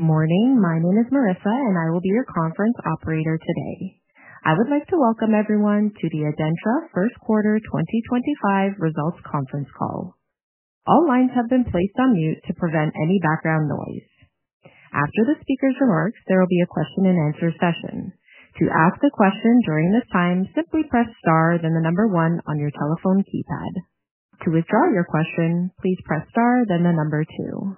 Good morning. My name is Marissa, and I will be your conference operator today. I would like to welcome everyone to the ADENTRA First Quarter 2025 Results Conference Call. All lines have been placed on mute to prevent any background noise. After the speaker's remarks, there will be a question-and-answer session. To ask a question during this time, simply press star, then the number one on your telephone keypad. To withdraw your question, please press star, then the number two.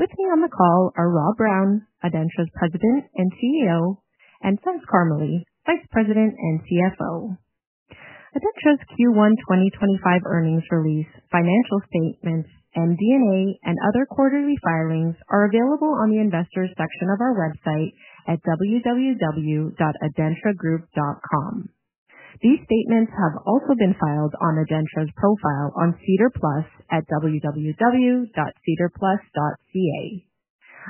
With me on the call are Rob Brown, ADENTRA's President and CEO, and Faiz Karmally, Vice President and CFO. ADENTRA's Q1 2025 earnings release, financial statements, MD&A, and other quarterly filings are available on the investors' section of our website at www.adentragroup.com. These statements have also been filed on ADENTRA's profile on Cedar Plus at www.cedarplus.ca.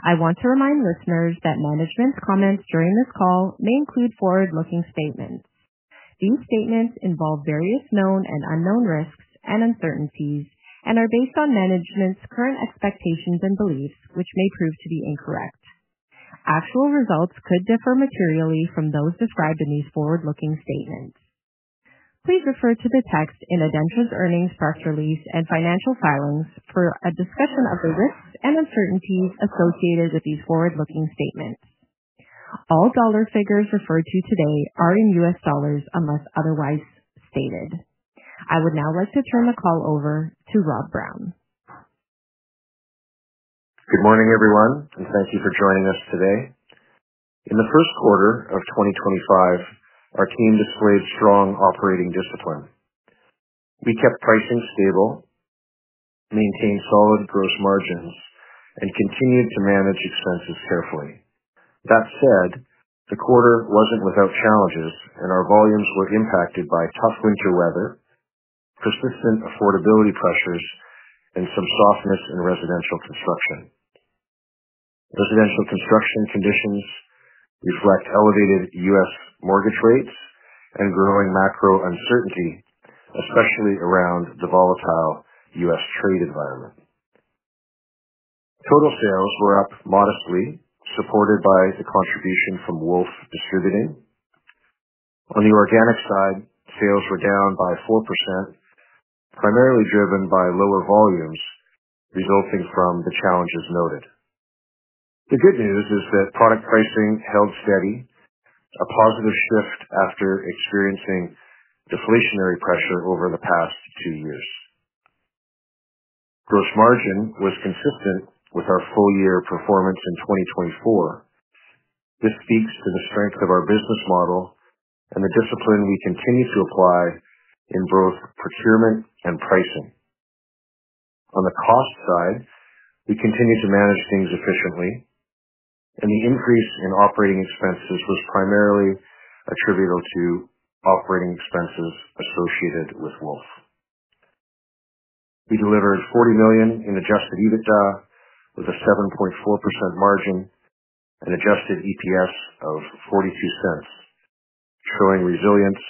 I want to remind listeners that management's comments during this call may include forward-looking statements. These statements involve various known and unknown risks and uncertainties and are based on management's current expectations and beliefs, which may prove to be incorrect. Actual results could differ materially from those described in these forward-looking statements. Please refer to the text in ADENTRA's earnings press release and financial filings for a discussion of the risks and uncertainties associated with these forward-looking statements. All dollar figures referred to today are in U.S. dollars unless otherwise stated. I would now like to turn the call over to Rob Brown. Good morning, everyone, and thank you for joining us today. In the first quarter of 2025, our team displayed strong operating discipline. We kept pricing stable, maintained solid gross margins, and continued to manage expenses carefully. That said, the quarter was not without challenges, and our volumes were impacted by tough winter weather, persistent affordability pressures, and some softness in residential construction. Residential construction conditions reflect elevated U.S. mortgage rates and growing macro uncertainty, especially around the volatile U.S. trade environment. Total sales were up modestly, supported by the contribution from Wolf Distributing. On the organic side, sales were down by 4%, primarily driven by lower volumes resulting from the challenges noted. The good news is that product pricing held steady, a positive shift after experiencing deflationary pressure over the past two years. Gross margin was consistent with our full-year performance in 2024. This speaks to the strength of our business model and the discipline we continue to apply in both procurement and pricing. On the cost side, we continue to manage things efficiently, and the increase in operating expenses was primarily attributable to operating expenses associated with Wolf. We delivered $40 million in adjusted EBITDA with a 7.4% margin and adjusted EPS of $0.42, showing resilience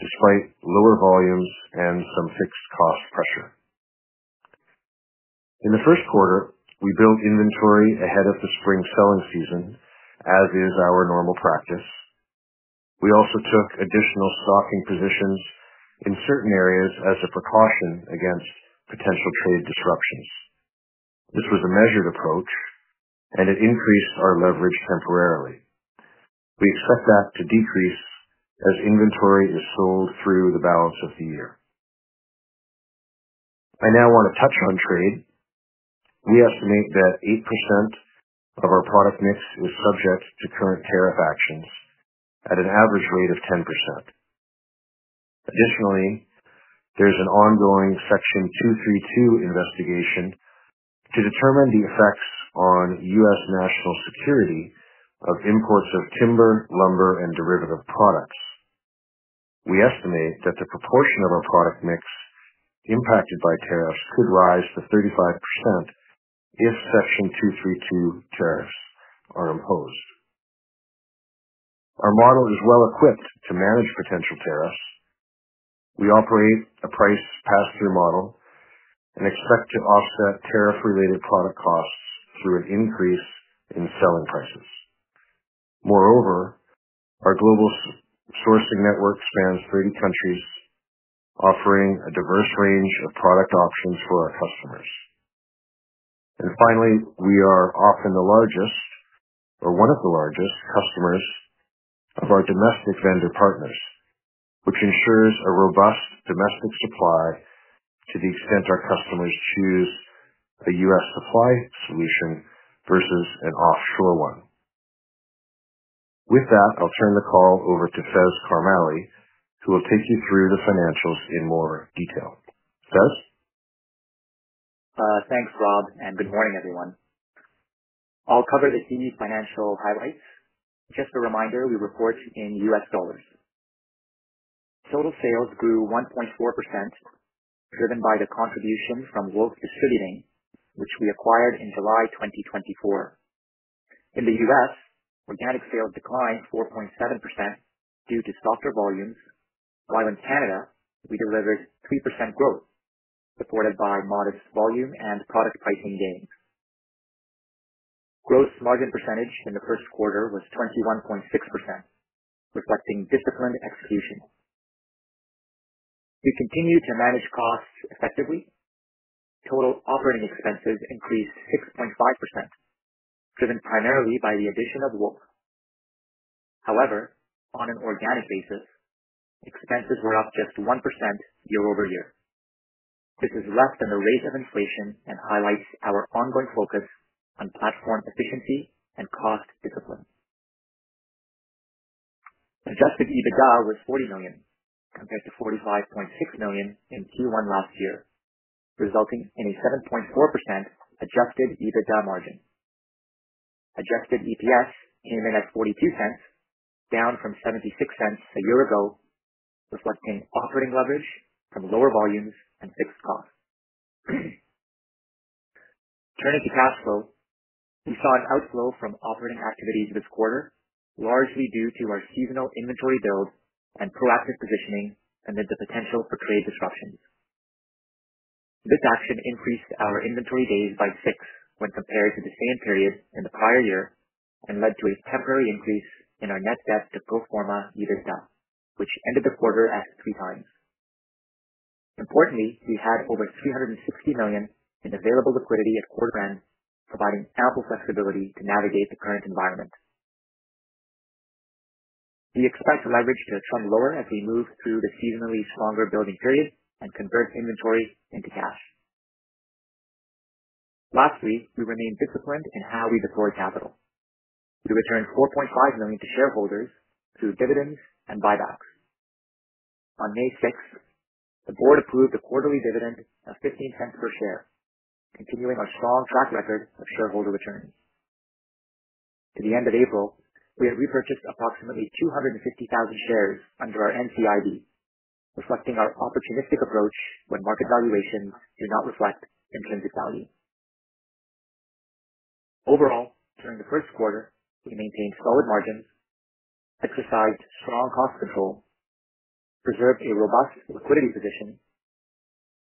despite lower volumes and some fixed cost pressure. In the first quarter, we built inventory ahead of the spring selling season, as is our normal practice. We also took additional stocking positions in certain areas as a precaution against potential trade disruptions. This was a measured approach, and it increased our leverage temporarily. We expect that to decrease as inventory is sold through the balance of the year. I now want to touch on trade. We estimate that 8% of our product mix is subject to current tariff actions at an average rate of 10%. Additionally, there is an ongoing Section 232 investigation to determine the effects on U.S. national security of imports of timber, lumber, and derivative products. We estimate that the proportion of our product mix impacted by tariffs could rise to 35% if Section 232 tariffs are imposed. Our model is well-equipped to manage potential tariffs. We operate a price pass-through model and expect to offset tariff-related product costs through an increase in selling prices. Moreover, our global sourcing network spans 30 countries, offering a diverse range of product options for our customers. Finally, we are often the largest, or one of the largest, customers of our domestic vendor partners, which ensures a robust domestic supply to the extent our customers choose a U.S. supply solution versus an offshore one. With that, I'll turn the call over to Faiz Karmally, who will take you through the financials in more detail. Faiz? Thanks, Rob, and good morning, everyone. I'll cover the key financial highlights. Just a reminder, we report in U.S. dollars. Total sales grew 1.4%, driven by the contribution from Woolf Distributing, which we acquired in July 2024. In the U.S., organic sales declined 4.7% due to softer volumes, while in Canada, we delivered 3% growth, supported by modest volume and product pricing gains. Gross margin percentage in the first quarter was 21.6%, reflecting disciplined execution. We continue to manage costs effectively. Total operating expenses increased 6.5%, driven primarily by the addition of Woolf. However, on an organic basis, expenses were up just 1% year-over-year. This is less than the rate of inflation and highlights our ongoing focus on platform efficiency and cost discipline. Adjusted EBITDA was $40 million, compared to $45.6 million in Q1 last year, resulting in a 7.4% adjusted EBITDA margin. Adjusted EPS came in at $0.42, down from $0.76 a year ago, reflecting operating leverage from lower volumes and fixed costs. Turning to cash flow, we saw an outflow from operating activities this quarter, largely due to our seasonal inventory build and proactive positioning amid the potential for trade disruptions. This action increased our inventory days by six when compared to the same period in the prior year and led to a temporary increase in our net debt to pro forma EBITDA, which ended the quarter at three times. Importantly, we had over $360 million in available liquidity at quarter end, providing ample flexibility to navigate the current environment. We expect leverage to trend lower as we move through the seasonally stronger building period and convert inventory into cash. Lastly, we remain disciplined in how we deploy capital. We returned $4.5 million to shareholders through dividends and buybacks. On May 6th, the board approved a quarterly dividend of $0.15 per share, continuing our strong track record of shareholder returns. To the end of April, we had repurchased approximately 250,000 shares under our NCID, reflecting our opportunistic approach when market valuations do not reflect intrinsic value. Overall, during the first quarter, we maintained solid margins, exercised strong cost control, preserved a robust liquidity position,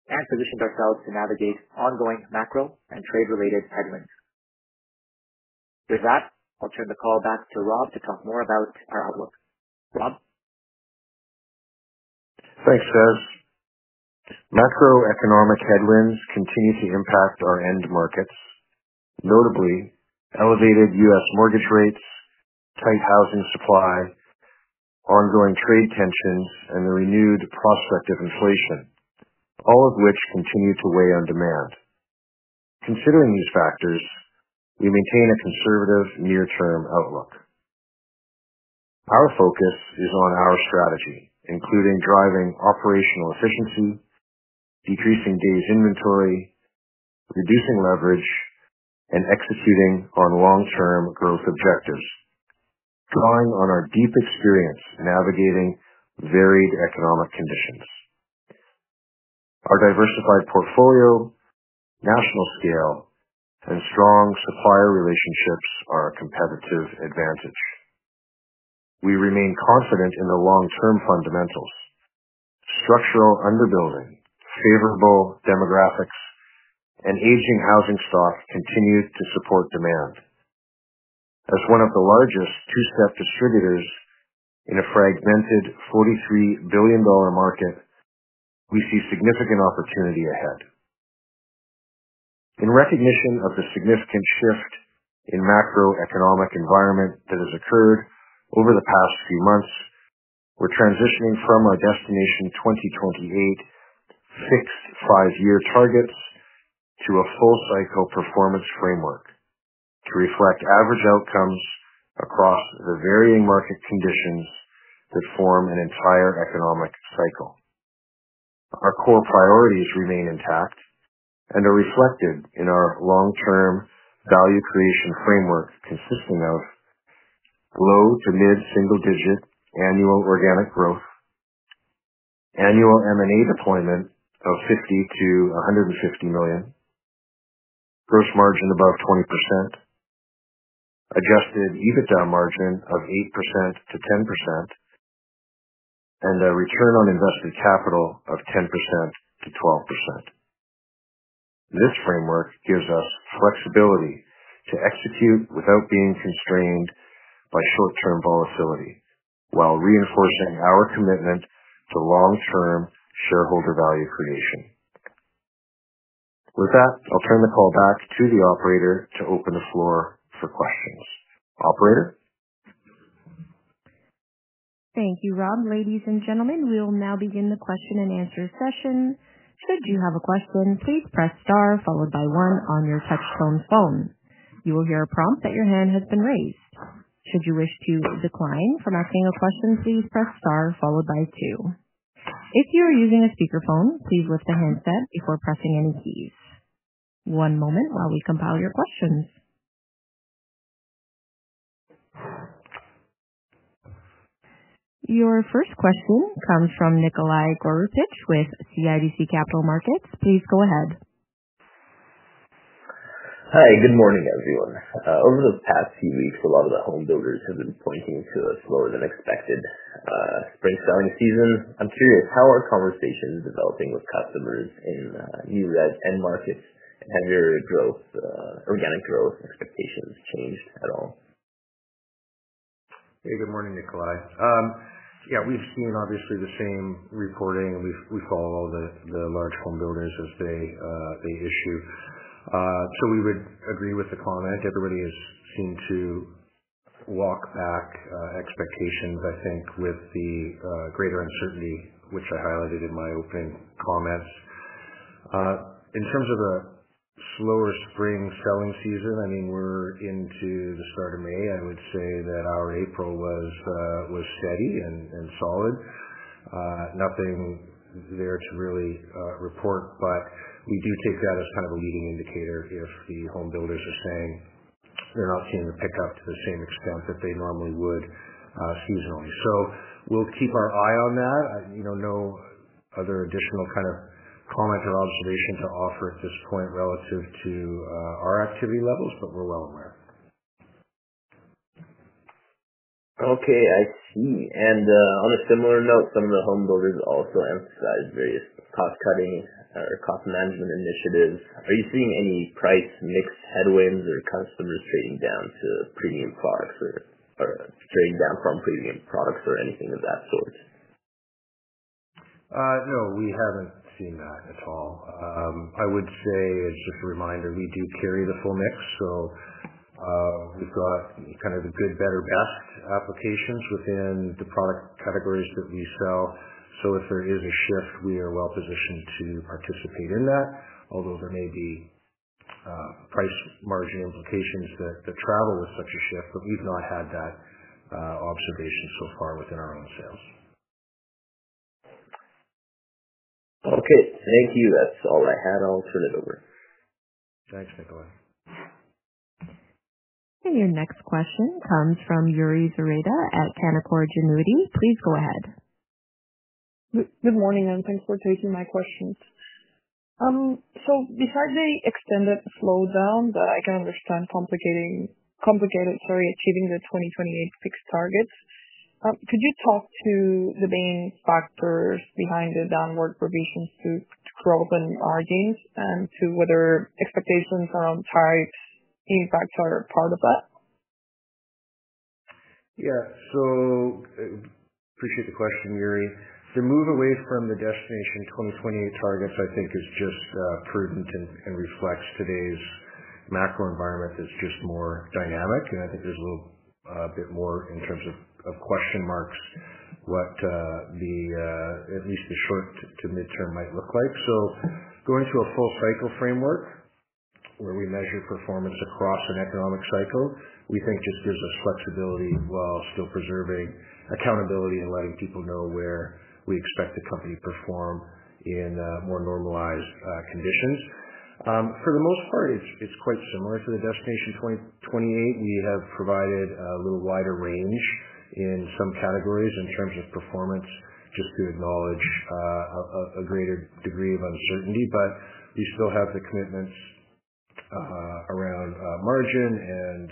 and positioned ourselves to navigate ongoing macro and trade-related headwinds. With that, I'll turn the call back to Rob to talk more about our outlook. Rob? Thanks, Faiz. Macroeconomic headwinds continue to impact our end markets, notably elevated U.S. mortgage rates, tight housing supply, ongoing trade tensions, and the renewed prospect of inflation, all of which continue to weigh on demand. Considering these factors, we maintain a conservative near-term outlook. Our focus is on our strategy, including driving operational efficiency, decreasing days' inventory, reducing leverage, and executing on long-term growth objectives, drawing on our deep experience navigating varied economic conditions. Our diversified portfolio, national scale, and strong supplier relationships are a competitive advantage. We remain confident in the long-term fundamentals. Structural underbuilding, favorable demographics, and aging housing stock continue to support demand. As one of the largest two-step distributors in a fragmented $43 billion market, we see significant opportunity ahead. In recognition of the significant shift in macroeconomic environment that has occurred over the past few months, we're transitioning from our destination 2028 fixed five-year targets to a full-cycle performance framework to reflect average outcomes across the varying market conditions that form an entire economic cycle. Our core priorities remain intact and are reflected in our long-term value creation framework consisting of low to mid-single-digit annual organic growth, annual M&A deployment of $50 million-$150 million, gross margin above 20%, adjusted EBITDA margin of 8%-10%, and a return on invested capital of 10%-12%. This framework gives us flexibility to execute without being constrained by short-term volatility while reinforcing our commitment to long-term shareholder value creation. With that, I'll turn the call back to the operator to open the floor for questions. Operator? Thank you, Rob. Ladies and gentlemen, we will now begin the question and answer session. Should you have a question, please press star followed by one on your touch-tone phone. You will hear a prompt that your hand has been raised. Should you wish to decline from asking a question, please press star followed by two. If you are using a speakerphone, please lift the handset before pressing any keys. One moment while we compile your questions. Your first question comes from Nikolai Goroupitch with CIBC Capital Markets. Please go ahead. Hi, good morning, everyone. Over the past few weeks, a lot of the home builders have been pointing to a slower-than-expected spring selling season. I'm curious, how are conversations developing with customers in new red end markets? Have your organic growth expectations changed at all? Hey, good morning, Nikolai. Yeah, we've seen obviously the same reporting. We follow all the large home builders as they issue. We would agree with the comment. Everybody has seemed to walk back expectations, I think, with the greater uncertainty, which I highlighted in my opening comments. In terms of a slower spring selling season, I mean, we're into the start of May. I would say that our April was steady and solid. Nothing there to really report, but we do take that as kind of a leading indicator if the home builders are saying they're not seeing a pickup to the same extent that they normally would seasonally. We'll keep our eye on that. No other additional kind of comment or observation to offer at this point relative to our activity levels, but we're well aware. Okay, I see. On a similar note, some of the home builders also emphasized various cost-cutting or cost management initiatives. Are you seeing any price mix headwinds or customers trading down to premium products or trading down from premium products or anything of that sort? No, we haven't seen that at all. I would say it's just a reminder we do carry the full mix, so we've got kind of the good, better, best applications within the product categories that we sell. If there is a shift, we are well positioned to participate in that, although there may be price margin implications that travel with such a shift, but we've not had that observation so far within our own sales. Okay, thank you. That's all I had. I'll turn it over. Thanks, Nikolai. Your next question comes from Yuri Zoreda at Canaccord Genuity. Please go ahead. Good morning, and thanks for taking my questions. Besides the extended slowdown that I can understand complicating achieving the 2028 fixed targets, could you talk to the main factors behind the downward provisions to growth and margins and to whether expectations around types impacts are part of that? Yeah, so I appreciate the question, Yuri. The move away from the destination 2028 targets, I think, is just prudent and reflects today's macro environment that's just more dynamic. I think there's a little bit more in terms of question marks what at least the short to midterm might look like. Going to a full-cycle framework where we measure performance across an economic cycle, we think just gives us flexibility while still preserving accountability and letting people know where we expect the company to perform in more normalized conditions. For the most part, it's quite similar to the destination 2028. We have provided a little wider range in some categories in terms of performance just to acknowledge a greater degree of uncertainty, but we still have the commitments around margin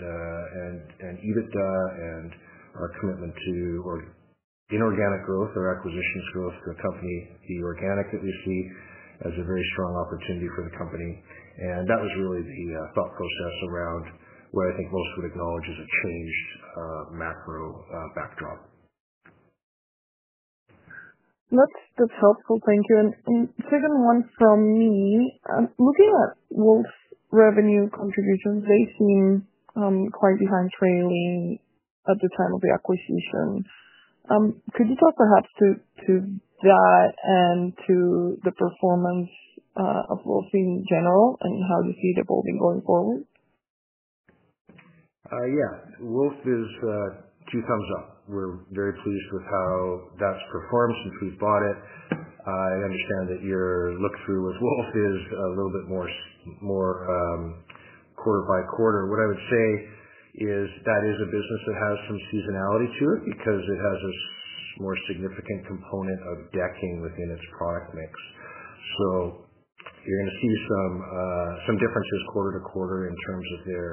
and EBITDA and our commitment to inorganic growth or acquisitions growth to accompany the organic that we see as a very strong opportunity for the company. That was really the thought process around what I think most would acknowledge as a changed macro backdrop. That's helpful. Thank you. Second one from me. Looking at Woolf's revenue contributions, they seem quite behind trailing at the time of the acquisition. Could you talk perhaps to that and to the performance of Wolf in general and how you see the evolving going forward? Yeah, Woolf is two thumbs up. We're very pleased with how that's performed since we've bought it. I understand that your look-through with Woolf is a little bit more quarter by quarter. What I would say is that is a business that has some seasonality to it because it has a more significant component of decking within its product mix. You're going to see some differences quarter to quarter in terms of their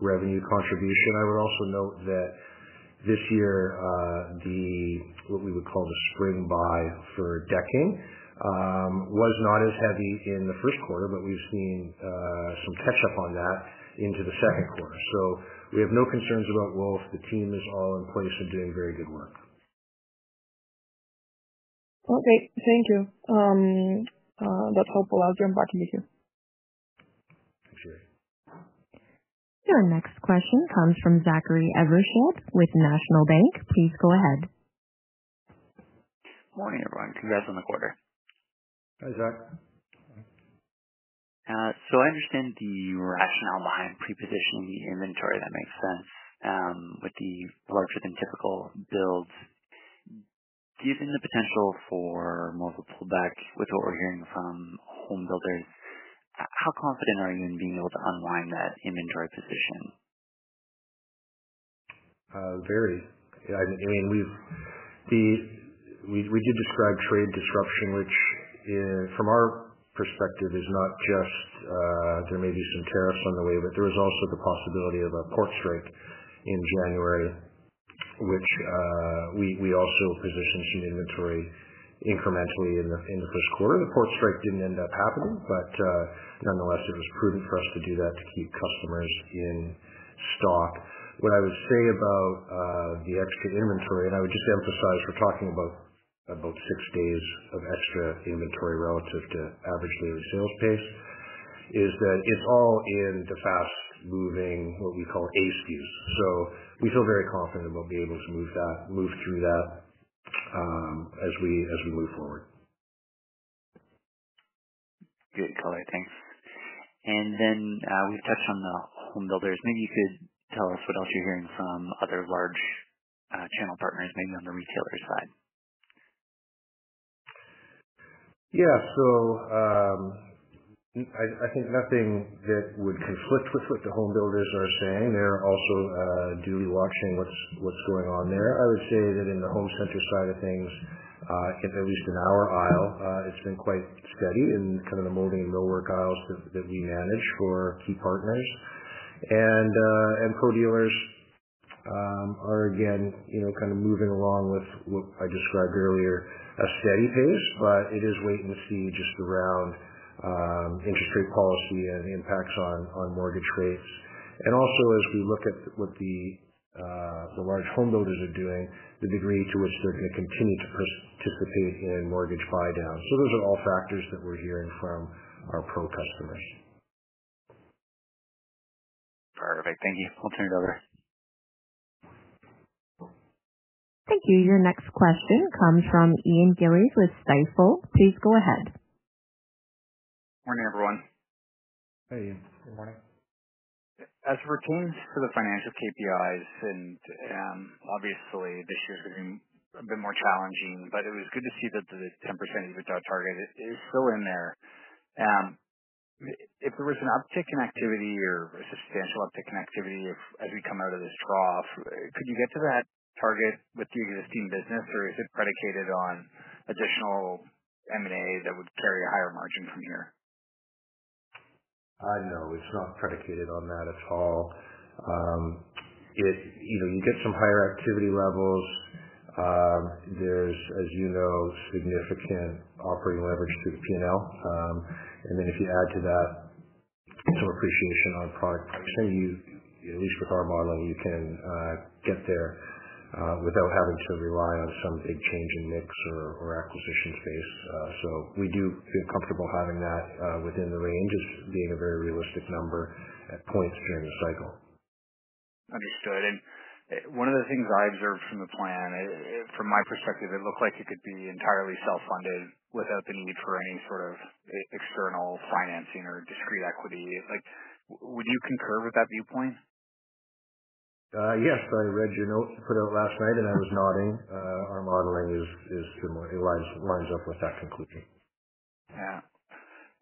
revenue contribution. I would also note that this year, what we would call the spring buy for decking was not as heavy in the first quarter, but we've seen some catch-up on that into the second quarter. We have no concerns about Woolf. The team is all in place and doing very good work. Okay, thank you. That's helpful. I'll get back to you. Thanks, Yuri. Your next question comes from Zachary Evershed with National Bank. Please go ahead. Morning, everyone. Congrats on the quarter. Hi, Zach. I understand the rationale behind pre-positioning the inventory. That makes sense with the larger-than-typical builds. Given the potential for more of a pullback with what we're hearing from home builders, how confident are you in being able to unwind that inventory position? Very. I mean, we did describe trade disruption, which from our perspective is not just there may be some tariffs on the way, but there is also the possibility of a port strike in January, which we also positioned some inventory incrementally in the first quarter. The port strike did not end up happening, but nonetheless, it was prudent for us to do that to keep customers in stock. What I would say about the extra inventory, and I would just emphasize we are talking about six days of extra inventory relative to average daily sales pace, is that it is all in the fast-moving, what we call, SKU. We feel very confident we will be able to move through that as we move forward. Good, Nikolai. Thanks. We have touched on the home builders. Maybe you could tell us what else you are hearing from other large channel partners, maybe on the retailer side. Yeah, so I think nothing that would conflict with what the home builders are saying. They're also duly watching what's going on there. I would say that in the home center side of things, at least in our aisle, it's been quite steady in kind of the molding and millwork aisles that we manage for key partners. Pro dealers are, again, kind of moving along with what I described earlier, a steady pace, but it is wait and see just around interest rate policy and impacts on mortgage rates. Also, as we look at what the large home builders are doing, the degree to which they're going to continue to participate in mortgage buy-downs. Those are all factors that we're hearing from our pro customers. Perfect. Thank you. I'll turn it over. Thank you. Your next question comes from Ian Gillies with Stifel. Please go ahead. Morning, everyone. Hey, Ian. Good morning. As it pertains to the financial KPIs, and obviously, this year is going to be a bit more challenging, but it was good to see that the 10% EBITDA target is still in there. If there was an uptick in activity or a substantial uptick in activity as we come out of this trough, could you get to that target with the existing business, or is it predicated on additional M&A that would carry a higher margin from here? No, it's not predicated on that at all. You get some higher activity levels. There's, as you know, significant operating leverage through the P&L. If you add to that some appreciation on product pricing, at least with our model, you can get there without having to rely on some big change in mix or acquisition space. We do feel comfortable having that within the range as being a very realistic number at points during the cycle. Understood. One of the things I observed from the plan, from my perspective, it looked like it could be entirely self-funded without the need for any sort of external financing or discrete equity. Would you concur with that viewpoint? Yes, I read your note you put out last night, and I was nodding. Our modeling lines up with that conclusion. Yeah.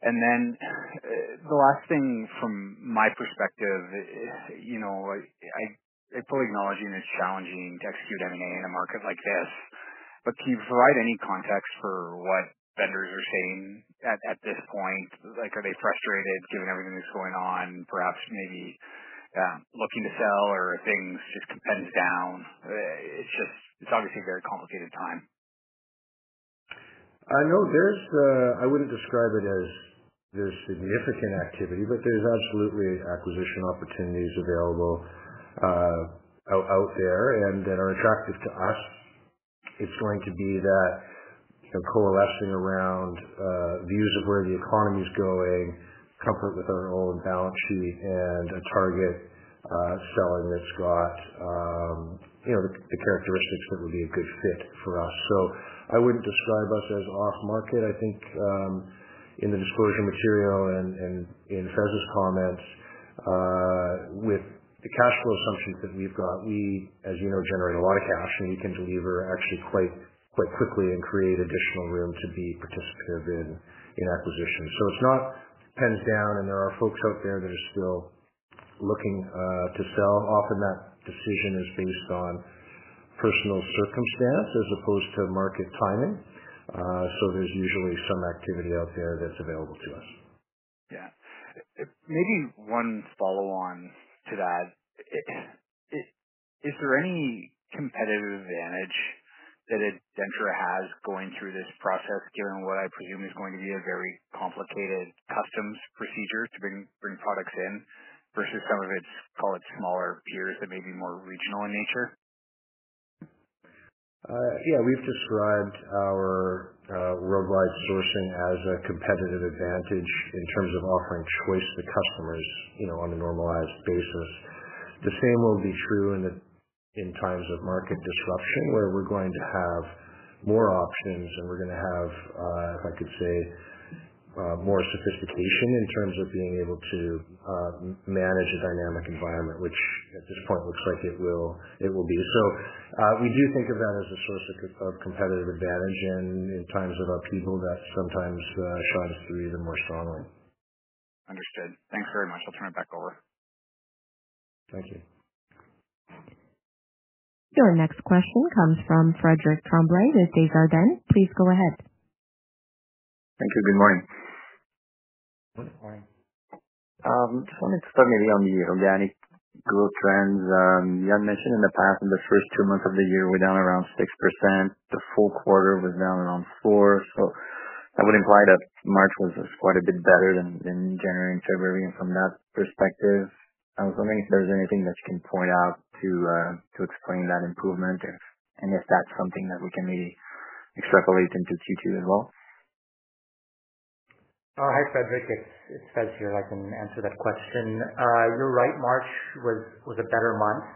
The last thing from my perspective, I fully acknowledge it's challenging to execute M&A in a market like this, but can you provide any context for what vendors are saying at this point? Are they frustrated given everything that's going on, perhaps maybe looking to sell or things just coming down? It's obviously a very complicated time. I wouldn't describe it as there's significant activity, but there's absolutely acquisition opportunities available out there and that are attractive to us. It's going to be that coalescing around views of where the economy is going, comfort with our own balance sheet, and a target selling that's got the characteristics that would be a good fit for us. I wouldn't describe us as off-market. I think in the disclosure material and in Faiz's comments, with the cash flow assumptions that we've got, we, as you know, generate a lot of cash, and we can deliver actually quite quickly and create additional room to be participative in acquisitions. It's not pens down, and there are folks out there that are still looking to sell. Often, that decision is based on personal circumstance as opposed to market timing. There's usually some activity out there that's available to us. Yeah. Maybe one follow-on to that. Is there any competitive advantage that ADENTRA has going through this process given what I presume is going to be a very complicated customs procedure to bring products in versus some of its smaller peers that may be more regional in nature? Yeah, we've described our worldwide sourcing as a competitive advantage in terms of offering choice to customers on a normalized basis. The same will be true in times of market disruption where we're going to have more options, and we're going to have, if I could say, more sophistication in terms of being able to manage a dynamic environment, which at this point looks like it will be. We do think of that as a source of competitive advantage, and in times of upheaval, that sometimes shines through even more strongly. Understood. Thanks very much. I'll turn it back over. Thank you. Your next question comes from Frederic Tremblay with Desjardins. Please go ahead. Thank you. Good morning. Good morning. Just wanted to start maybe on the organic growth trends. You had mentioned in the past, in the first two months of the year, we're down around 6%. The full quarter was down around 4%. That would imply that March was quite a bit better than January and February. From that perspective, I was wondering if there's anything that you can point out to explain that improvement and if that's something that we can maybe extrapolate into Q2 as well. Hi, Frederic. It's Faiz here. I can answer that question. You're right. March was a better month.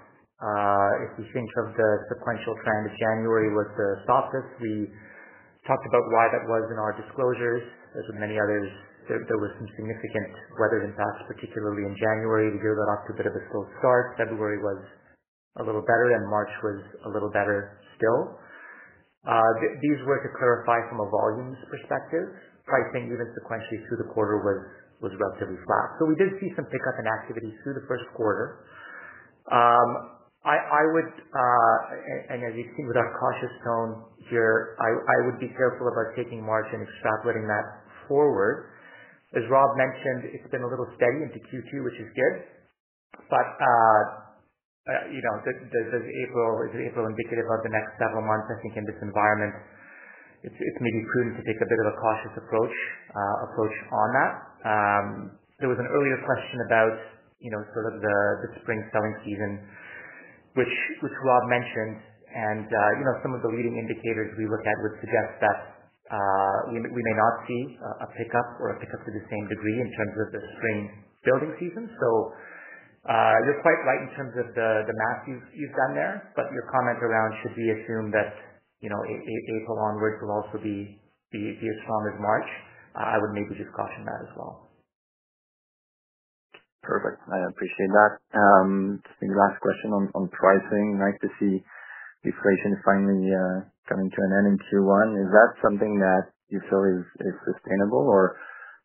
If you think of the sequential trend, January was the softest. We talked about why that was in our disclosures. As with many others, there were some significant weather impacts, particularly in January. The year got off to a bit of a slow start. February was a little better, and March was a little better still. These were to clarify from a volumes perspective. Pricing, even sequentially through the quarter, was relatively flat. We did see some pickup in activity through the first quarter. As you've seen with our cautious tone here, I would be careful about taking March and extrapolating that forward. As Rob mentioned, it's been a little steady into Q2, which is good. Is April indicative of the next several months? I think in this environment, it's maybe prudent to take a bit of a cautious approach on that. There was an earlier question about sort of the spring selling season, which Rob mentioned. Some of the leading indicators we look at would suggest that we may not see a pickup or a pickup to the same degree in terms of the spring building season. You're quite right in terms of the math you've done there, but your comment around should we assume that April onwards will also be as strong as March? I would maybe just caution that as well. Perfect. I appreciate that. Last question on pricing. Nice to see inflation finally coming to an end in Q1. Is that something that you feel is sustainable? Or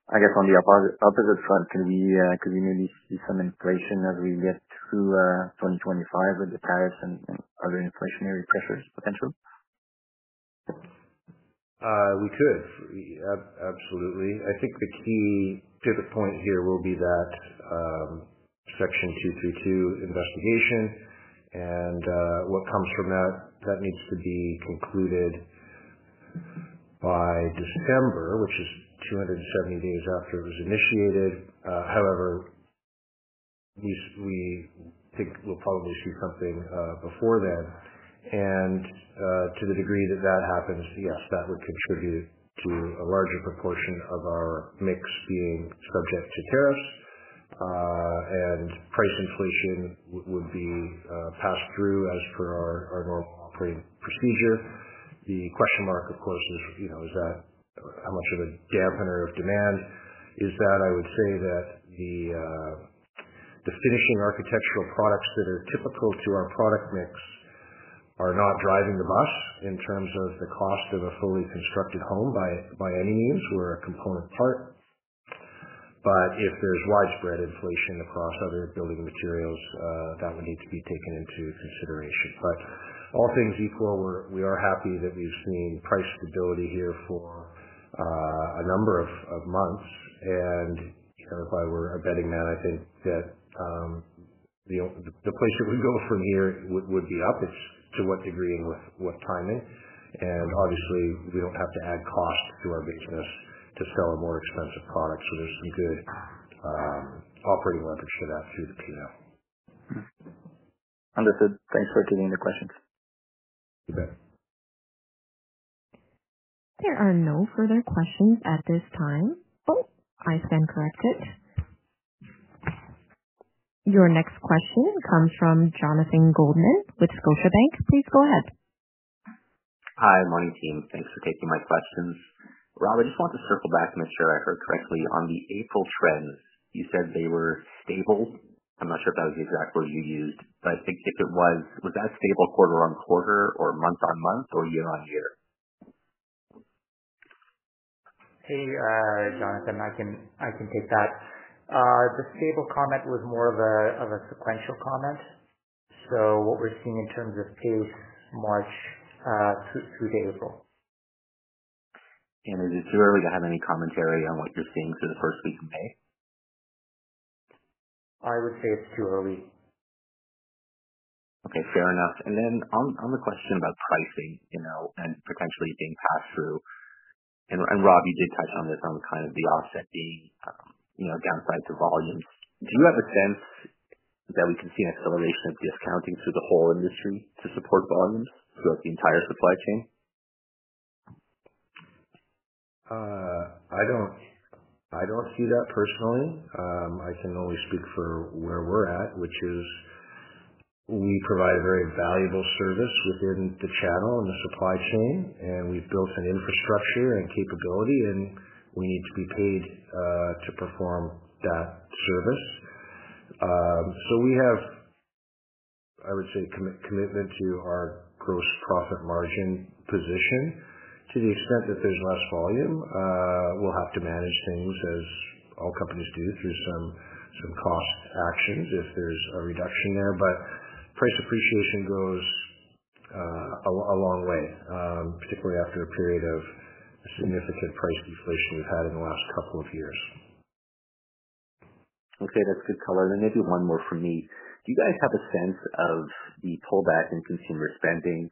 I guess on the opposite front, could we maybe see some inflation as we get through 2025 with the tariffs and other inflationary pressures potentially? We could. Absolutely. I think the key pivot point here will be that Section 232 investigation. What comes from that needs to be concluded by December, which is 270 days after it was initiated. However, we think we'll probably see something before then. To the degree that that happens, yes, that would contribute to a larger proportion of our mix being subject to tariffs. Price inflation would be passed through as per our normal operating procedure. The question mark, of course, is how much of a dampener of demand is that. I would say that the finishing architectural products that are typical to our product mix are not driving the bus in terms of the cost of a fully constructed home by any means. We're a component part. If there's widespread inflation across other building materials, that would need to be taken into consideration. All things equal, we are happy that we've seen price stability here for a number of months. If I were a betting man, I think that the place that we go from here would be up. It is to what degree and with what timing. Obviously, we do not have to add cost to our business to sell a more expensive product. There is some good operating leverage to that through the P&L. Understood. Thanks for taking the questions. You bet. There are no further questions at this time. Oh, I stand corrected. Your next question comes from Jonathan Goldman with Scotiabank. Please go ahead. Hi, morning team. Thanks for taking my questions. Rob, I just wanted to circle back and make sure I heard correctly. On the April trends, you said they were stable. I'm not sure if that was the exact word you used, but I think if it was, was that stable quarter on quarter or month on month or year on year? Hey, Jonathan. I can take that. The stable comment was more of a sequential comment. So what we're seeing in terms of pace March through to April. Is it too early to have any commentary on what you're seeing through the first week of May? I would say it's too early. Okay. Fair enough. Then on the question about pricing and potentially being passed through, and Rob, you did touch on this on kind of the offset being downside to volumes. Do you have a sense that we can see an acceleration of discounting through the whole industry to support volumes throughout the entire supply chain? I don't see that personally. I can only speak for where we're at, which is we provide a very valuable service within the channel and the supply chain, and we've built an infrastructure and capability, and we need to be paid to perform that service. So we have, I would say, commitment to our gross profit margin position. To the extent that there's less volume, we'll have to manage things, as all companies do, through some cost actions if there's a reduction there. But price appreciation goes a long way, particularly after a period of significant price deflation we've had in the last couple of years. Okay. That's good color. Maybe one more for me. Do you guys have a sense if the pullback in consumer spending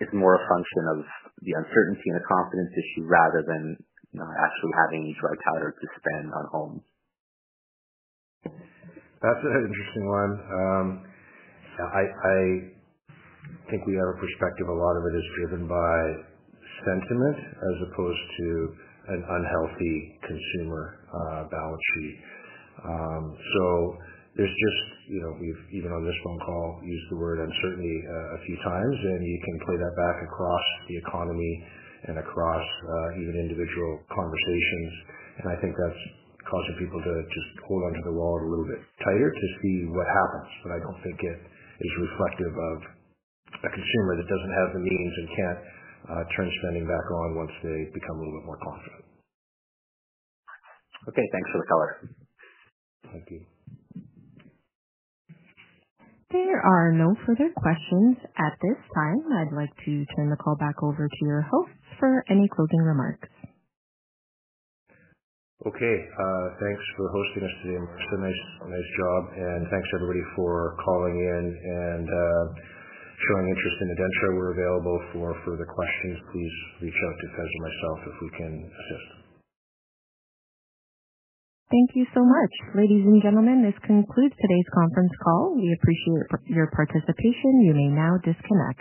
is more a function of the uncertainty and the confidence issue rather than actually having any dry powder to spend on homes? That's an interesting one. I think we have a perspective a lot of it is driven by sentiment as opposed to an unhealthy consumer balance sheet. There is just, we have even on this phone call used the word uncertainty a few times, and you can play that back across the economy and across even individual conversations. I think that's causing people to just hold onto the wall a little bit tighter to see what happens. I do not think it is reflective of a consumer that does not have the means and cannot turn spending back on once they become a little bit more confident. Okay. Thanks for the color. Thank you. There are no further questions at this time. I'd like to turn the call back over to your hosts for any closing remarks. Okay. Thanks for hosting us today, Marissa. Nice job. Thanks everybody for calling in and showing interest in ADENTRA. We're available for further questions. Please reach out to Faiz or myself if we can assist. Thank you so much. Ladies and gentlemen, this concludes today's conference call. We appreciate your participation. You may now disconnect.